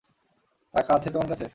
টাকা আছে তোমার কাছে?